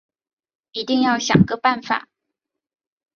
一定要想个办法